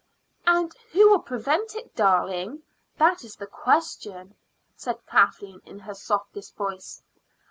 "And who will prevent it, darling? That is the question," said Kathleen in her softest voice.